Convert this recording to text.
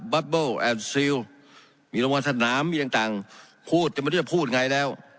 บับเบิ้ลแอดซิลมีละวะสนามมีต่างต่างพูดจะไม่ได้จะพูดไงแล้ว